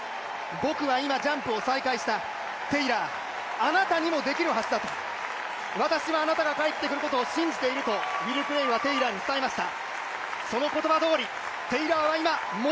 僕は今ジャンプを再開した、テイラー、あなたにもできるはずだと、私はあなたが帰ってくることを信じているとウィル・クレイはテイラーに伝えました。